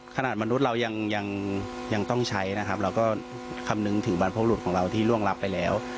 มนุษย์เรายังต้องใช้นะครับเราก็คำนึงถึงบรรพบรุษของเราที่ร่วงรับไปแล้ว